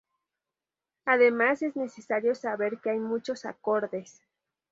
Además, es necesario saber que hay muchos acordes.